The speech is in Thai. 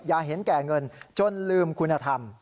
อย่าเห็นแก่เงินจนลืมคุณธรรม